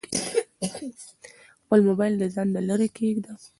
خپل موبایل له ځانه لیرې کېږده.